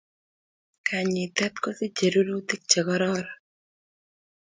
Kanyitet kosijei rurutik chekoraron